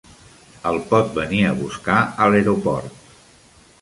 El pot venir a buscar a l'aeroport.